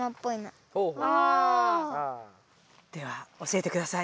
では教えてください。